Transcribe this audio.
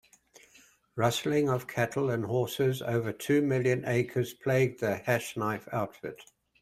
Rustling of cattle and horses over two million acres plagued the Hashknife Outfit.